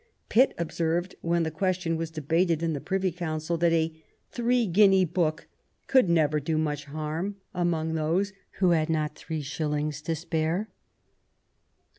Pitt observed, when the question was debated in the Privy Council, that ' a three guinea book could never do much harm among those who had not three shillings to spare.'